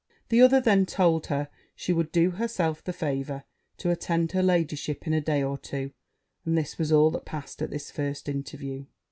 The other then told her she would do herself the favour to attend her ladyship in a day or two: and this was all that passed at this first interview.